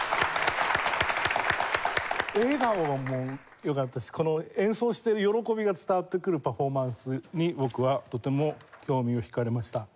笑顔も良かったしこの演奏している喜びが伝わってくるパフォーマンスに僕はとても興味を引かれました。